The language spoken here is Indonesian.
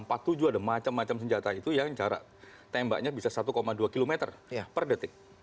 ada macam macam senjata itu yang jarak tembaknya bisa satu dua km per detik